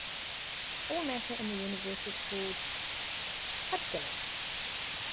All matter in the universe is called Pudgala.